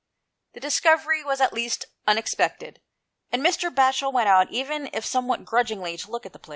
The discovery was at least unexpected, and Mr. Batchel went out, even if somewhat grudg ingly, to look at the place.